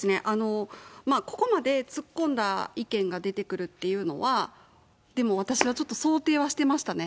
ここまで突っ込んだ意見が出てくるっていうのは、でも、私はちょっと想定はしてましたね。